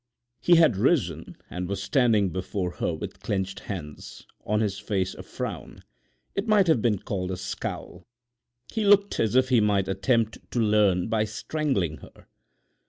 He had risen and was standing before her with clenched hands, on his face a frown—it might have been called a scowl. He looked as if he might attempt to learn by strangling her.